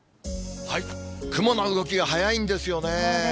雲の動きが速いんですよね。